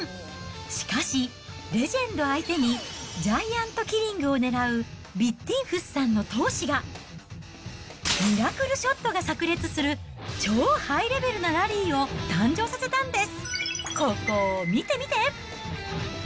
しかし、レジェンド相手にジャイアントキリングを狙うヴィッティンフスさんの闘志が、ミラクルショットがさく裂する超ハイレベルなラリーを誕生させたんです。